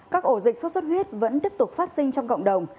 các ổ dịch sốt xuất huyết vẫn tiếp tục phát sinh trong cộng đồng